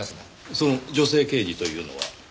その女性刑事というのは？